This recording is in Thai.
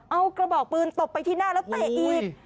เอากระบอกปืนตบไปที่หน้าแล้วเตะอีก